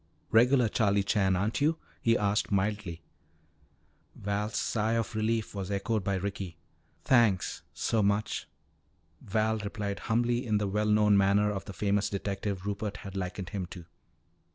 "Regular Charlie Chan, aren't you?" he asked mildly. Val's sigh of relief was echoed by Ricky. "Thanks so much," Val replied humbly in the well known manner of the famous detective Rupert had likened him to.